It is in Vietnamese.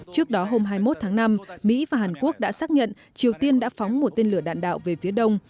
trước đó hôm hai mươi một tháng năm mỹ và hàn quốc đã xác nhận triều tiên đã phóng một tên lửa đạn đạo về phía đông